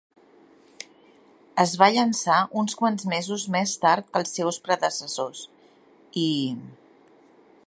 Es va llançar uns quants mesos més tard que els seus predecessors, "" i "".